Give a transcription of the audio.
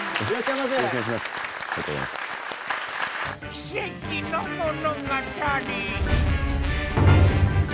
奇跡の物語